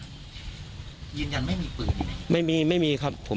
ยืนยันไม่มีปืนอยู่ไหน